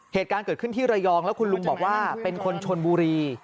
เหตุการณ์เกิดขึ้นที่ระยองแล้วคุณลุงบอกว่าเป็นคนชนบุรี